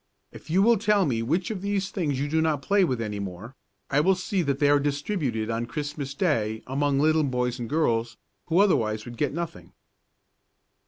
If you will tell me which of these things you do not play with any more, I will see that they are distributed on Christmas Day among little boys and girls who otherwise would get nothing."